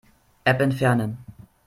App entfernen.